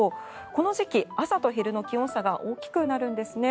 この時期、朝と昼の気温差が大きくなるんですね。